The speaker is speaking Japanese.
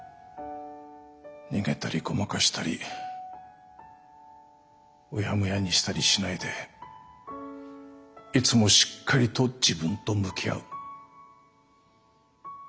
逃げたりごまかしたりうやむやにしたりしないでいつもしっかりと自分と向き合う。